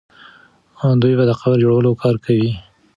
دوی به د قبر د جوړولو کار کوي.